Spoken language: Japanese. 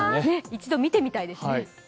一度、見てみたいですね。